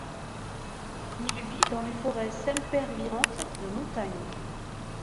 Il vit dans les forêts sempervirentes de montagne.